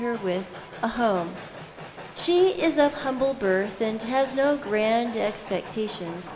her with a home. She is of humble birth, and has no grand expectations.